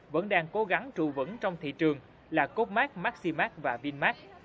vẫn đang cố gắng trụ vững trong thị trường là codemark maximark và vinmark